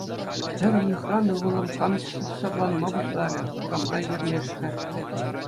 Пӗр уйӑхран ывӑлӑм канӑҫсӑрланма пуҫларӗ, урамра йӗрмӗшрӗ.